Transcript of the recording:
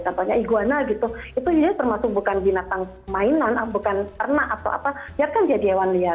contohnya iguana gitu itu termasuk bukan binatang mainan bukan ternak atau apa biarkan jadi hewan liar